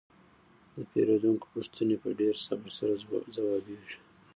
د پیرودونکو پوښتنې په ډیر صبر سره ځوابیږي.